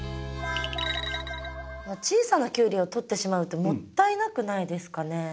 小さなキュウリを取ってしまうってもったいなくないですかね？